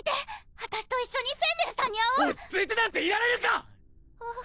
あたしと一緒にフェンネルさんに会おう落ち着いてなんていられるか！